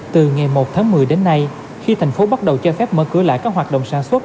từ ngày một tháng một mươi đến nay khi thành phố bắt đầu cho phép mở cửa lại các hoạt động sản xuất